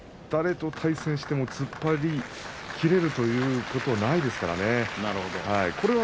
誰と対戦しても突っ張りきれるということはありませんからね。